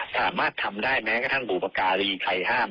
สามารถทำได้แม้กระทั่งบุปการีใครห้าม